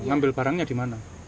ngambil barangnya di mana